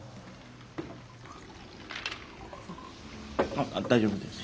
あっ大丈夫です。